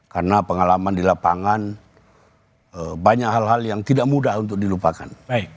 karena pengalaman di lapangan banyak hal hal yang tidak mudah untuk dilupakan